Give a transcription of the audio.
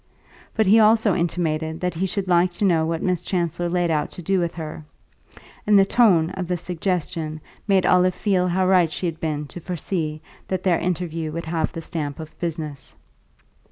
But he also intimated that he should like to know what Miss Chancellor laid out to do with her; and the tone of this suggestion made Olive feel how right she had been to foresee that their interview would have the stamp of business.